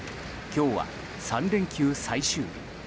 今日は３連休最終日。